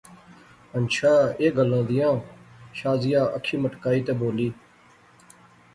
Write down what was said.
ہنچھا ایہہ گلاں دیاں، شازیہ اکھی مٹکائی تے بولی